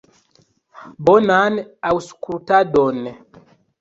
Bonan aŭskultadon!